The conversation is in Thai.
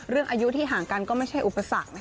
เรื่องอายุที่ห่างกันก็ไม่ใช่อุปสรรคนะคะ